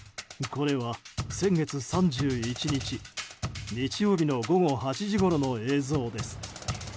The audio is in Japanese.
これは先月３１日、日曜日の午後８時ごろの映像です。